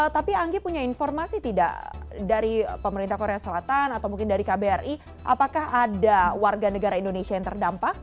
tapi anggi punya informasi tidak dari pemerintah korea selatan atau mungkin dari kbri apakah ada warga negara indonesia yang terdampak